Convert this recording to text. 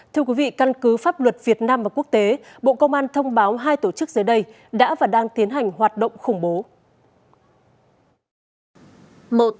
thưa quý vị căn cứ pháp luật việt nam và quốc tế bộ công an thông báo hai tổ chức dưới đây đã và đang tiến hành hoạt động khủng bố